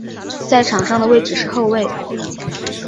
在场上的位置是后卫。